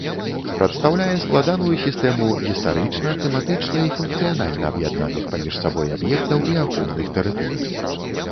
Прадстаўляе складаную сістэму гістарычна, тэматычна і функцыянальна аб'яднаных паміж сабой аб'ектаў і ахоўных тэрыторый.